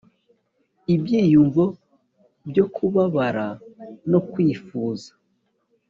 ibyiyumvo byo kubabara no kwifuza,